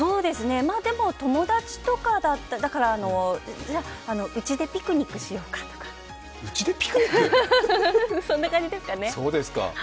でも友達だからうちでピクニックしようかとか、そんな感じですかね。